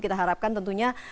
kita harapkan tentunya